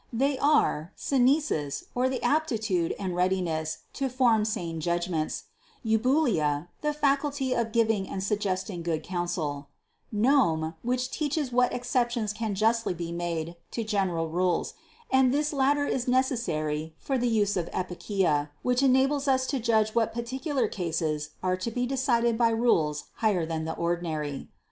They are, synesis, or the aptitude and readiness to form THE CONCEPTION 423 sane judgments; eubulia, the faculty of giving and sug gesting good counsel; gnome, which teaches what ex ceptions can justly be made to general rules; and this latter is necessary for the use of epikeia, which enables us to judge what particular cases are to be decided by rules higher than the ordinary.